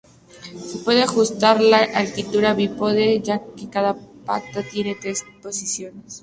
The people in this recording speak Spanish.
Se puede ajustar la altura del bípode, ya que cada pata tiene tres posiciones.